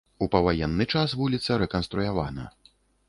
У паваенны час вуліца рэканструявана.